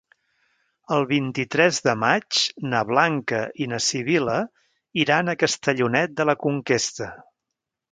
El vint-i-tres de maig na Blanca i na Sibil·la iran a Castellonet de la Conquesta.